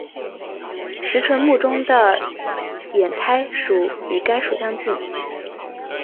石莼目中的浒苔属与该属相近。